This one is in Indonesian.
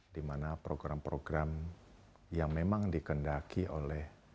dimana program program yang memang dikendaki oleh